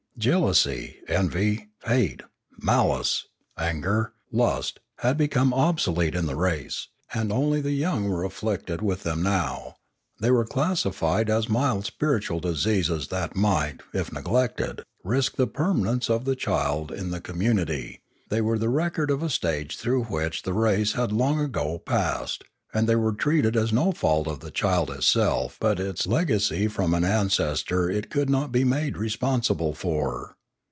Jealousy, envy, hate, malice, anger, lust, had become obsolete* in the race, and only the young were afflicted with them now; they were classified as mild spiritual diseases that might, if neglected, risk the permanence of the child in the com munity ; they were the record of a stage through which the race had long ago passed, and they were treated as no fault of the child itself but its legacy from an an cestry it could not be made responsible for.